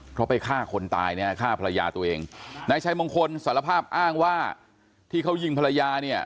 เพราะไปฆ่าคนตายเนี่ยฆ่าภรรยาตัวเองนายชัยมงคลสารภาพอ้างว่าที่เขายิงภรรยาเนี่ย